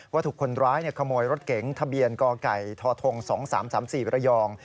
ว่าถูกคนร้ายขโมยรถเก๋งทะเบียนกไก่ทธ๒๓๓๔ระยอง